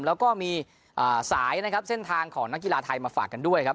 แล้วก็มีสายนะครับเส้นทางของนักกีฬาไทยมาฝากกันด้วยครับ